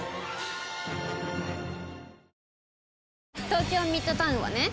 東京ミッドタウンはね